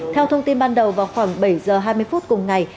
theo thông tin ban đầu vào khoảng bảy giờ hai mươi phút cùng ngày